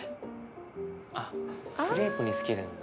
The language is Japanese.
あっクレープにつけるんだ。